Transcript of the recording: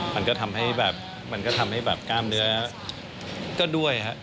มันก็ทำให้แบบกล้ามเนื้อก็ด้วยครับ